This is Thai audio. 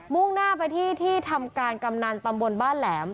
่งหน้าไปที่ที่ทำการกำนันตำบลบ้านแหลม